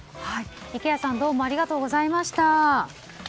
池谷さんどうもありがとうございました。